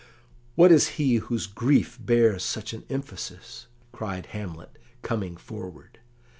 "What is he whose grief bears such an emphasis?" cried Hamlet, coming forward.